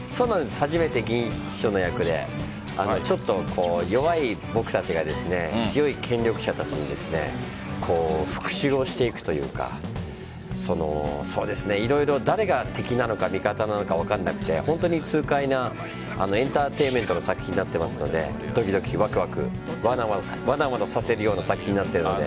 初めて議員秘書の役でちょっと弱い僕たちが強い権力者たちに復讐をしていくというか色々、誰が敵なのか味方なのか分からなくて本当に痛快なエンターテインメントの作品になっていますのでドキドキ、ワクワクわなわなさせるような作品になっているので。